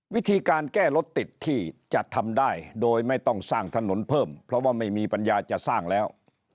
วิธีการแก้รถติดที่จะทำได้โดยไม่ต้องสร้างถนนเพิ่มเพราะว่าไม่มีปัญญาจะสร้างแล้ว